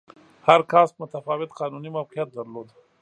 هر کاسټ متفاوت قانوني موقعیت درلود.